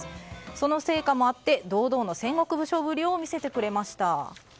その成果もあって堂々の戦国武将ぶりを見せてくれました。